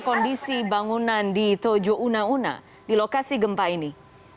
kondisi bangunan di tojo una una di lokasi gempa ini